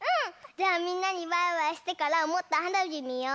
じゃあみんなにバイバイしてからもっとはなびみよう！